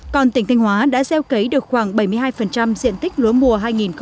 còn tỉnh thanh hóa đã gieo cấy được khoảng bảy mươi hai diện tích lúa mùa hai nghìn một mươi chín